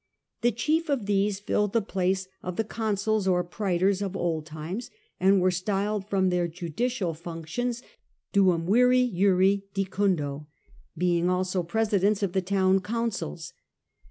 The chief of these The fexecu filled the place of the consuls or prsetors of old times, and were styled from their juridicundo; judicial functions duumviri juri dicundo^ being also presidents of the town councils.